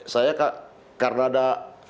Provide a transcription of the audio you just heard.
saya kak karena ada